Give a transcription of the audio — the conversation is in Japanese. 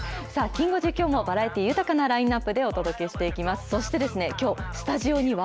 さあ、きん５時、きょうもバラエティ豊かなラインナップでお届けしていきます。